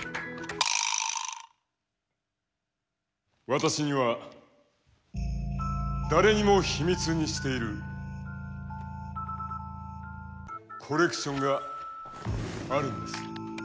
私には誰にも秘密にしているコレクションがあるんです。